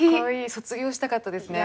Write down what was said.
卒業したかったですね。